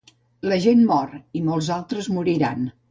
La gent mor i molts altres moriran.